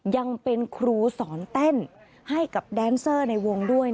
ยังเป็นครูสอนเต้นให้กับแดนเซอร์ในวงด้วย